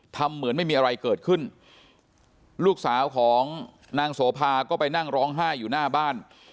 ทำเหมือนไม่มีอะไรเกิดขึ้นลูกสาวของนางโสภาก็ไปนั่งร้องไห้อยู่หน้าบ้าน